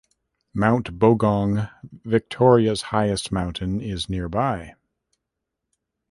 Mount Bogong, Victoria's highest mountain, is nearby.